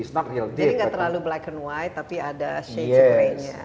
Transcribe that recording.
jadi gak terlalu black and white tapi ada shades of grey nya